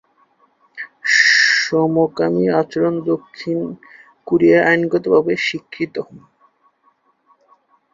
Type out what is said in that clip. সমকামি আচরণ দক্ষিণ কোরিয়ায় আইনগতভাবে স্বীকৃত।